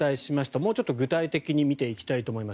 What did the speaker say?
もうちょっと具体的に見ていきたいと思います。